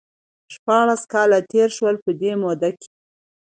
شپاړس کاله تېر شول ،په دې موده کې